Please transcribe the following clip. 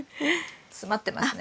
詰まってますね。